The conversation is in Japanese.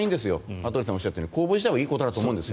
羽鳥さんがおっしゃるように公募自体はいいことだと思うんです。